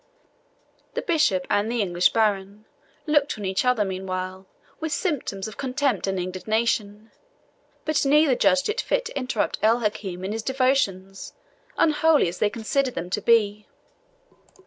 The bishop and the English baron looked on each other, meanwhile, with symptoms of contempt and indignation, but neither judged it fit to interrupt El Hakim in his devotions, unholy as they considered them to be.